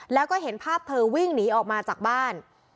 แล้วก็เห็นภาพเธอวิ่งหนีออกมาจากบ้าน